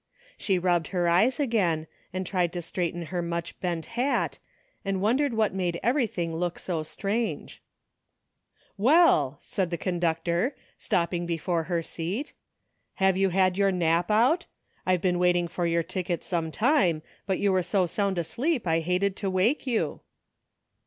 She rubbed her eyes again, and tried to straighten her much bent hat, and wondered what made everything look so strange. A NEW FRIEND. 71 " Well," said the conductor, stopping before her seat, "have you had your nap out? I've been waiting for your ticket some time, but you were so sound asleep I hated to wake you."